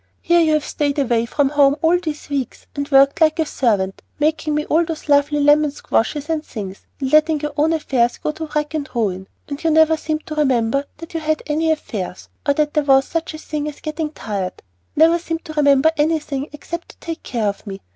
Here you have stayed away from home all these weeks, and worked like a servant making me all those lovely lemon squashes and things, and letting your own affairs go to wrack and ruin, and you never seemed to remember that you had any affairs, or that there was such a thing as getting tired, never seemed to remember anything except to take care of me.